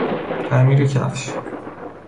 تعمیر کفش